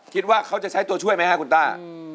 คิดว่าเขาจะใช้ตัวช่วยไหมครับคุณต้า